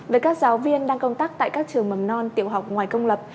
với các giáo viên đang công tác tại các trường mầm non tiểu học ngoài công lập